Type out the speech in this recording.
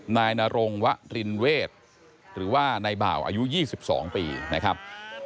นายนรงวะรินเวทหรือว่านายบ่าวอายุ๒๒ปีนะครับ